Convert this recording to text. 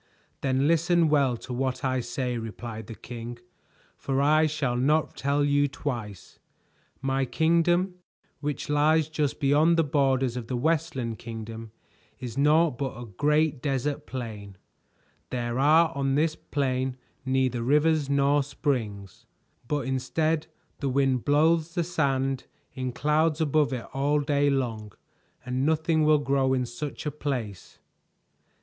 "Then listen well to what I say," replied the king, "for I shall not tell you twice. My kingdom, which lies just beyond the borders of the Westland Kingdom, is naught but a great desert plain. There are on this plain neither rivers nor springs, but instead the wind blows the sand in clouds above it all day long, and nothing will grow in such a place.